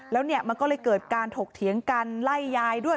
แล้วเนี่ยมันก็เลยเกิดการถกเถียงกันไล่ยายด้วย